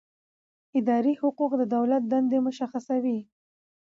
اداري حقوق د دولت دندې مشخصوي.